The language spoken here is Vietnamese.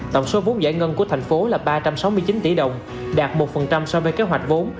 tổng số vốn giải ngân của thành phố là ba trăm sáu mươi chín tỷ đồng đạt một so với kế hoạch vốn